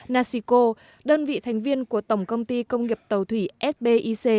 nasico đơn vị thành viên của tổng công ty công nghiệp tàu thủy sbic